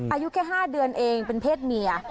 อายุแค่ห้าเดือนเป็นเพศเมีย